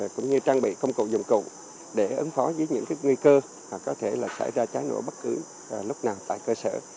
cũng như trang bị công cụ dụng cụ để ứng phó với những nguy cơ có thể xảy ra cháy nổ bất cứ lúc nào tại cơ sở